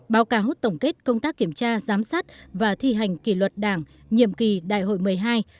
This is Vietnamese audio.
báo cáo tổng kết công tác kiểm tra giám sát và thi hành kỷ luật đảng nhiệm kỳ đại hội một mươi hai